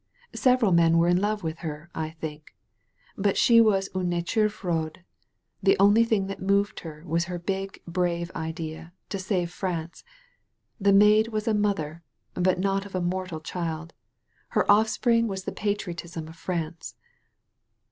Several men were in love with her, I think. But she was une nature froide. The only thing that moved her was her big, brave idea — ^to save France. The Maid was a mother, but not of a mortal child. Her off spring was the patriotism of France.''